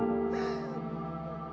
kamu harus mencoba untuk mencoba